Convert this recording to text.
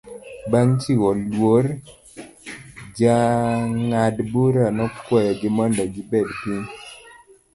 Bang' chiwo luor, jang'ad bura nokwayo gi mondo gibed piny.